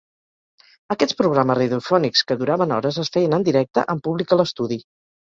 Aquests programes radiofònics que duraven hores es feien en directe amb públic a l'estudi.